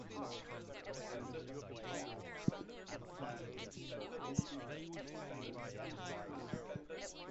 The second trial concluded with Benton being found guilty of both burglary and larceny.